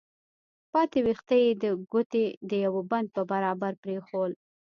پاتې ويښته يې د ګوتې د يوه بند په برابر پرېښوول.